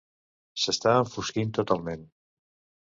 S'està enfosquint totalment.